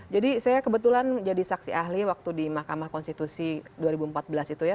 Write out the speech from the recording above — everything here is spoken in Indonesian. jadi saya kebetulan jadi saksi ahli waktu di mahkamah konstitusi dua ribu empat belas itu ya